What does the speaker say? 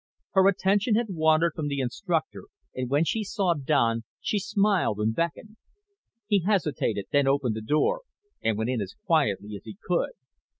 Her attention had wandered from the instructor and when she saw Don she smiled and beckoned. He hesitated, then opened the door and went in as quietly as he could.